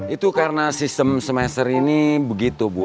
itu karena sistem semester ini begitu bu